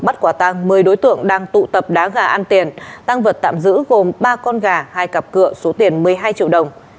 bắt quả tăng một mươi đối tượng đang tụ tập đá gà ăn tiền tăng vật tạm giữ gồm ba con gà hai cặp cửa số tiền một mươi hai triệu đồng